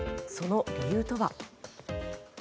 その理由とは。